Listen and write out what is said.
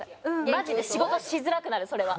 マジで仕事しづらくなるそれは。